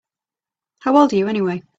How old are you anyway?